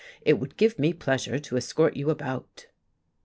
It would give me pleasure to escort you about."